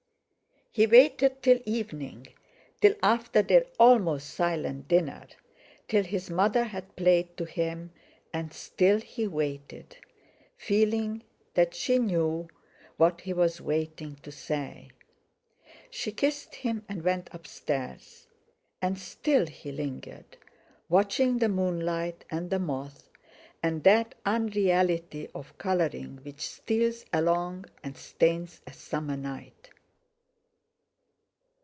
He waited till evening, till after their almost silent dinner, till his mother had played to him and still he waited, feeling that she knew what he was waiting to say. She kissed him and went up stairs, and still he lingered, watching the moonlight and the moths, and that unreality of colouring which steals along and stains a summer night.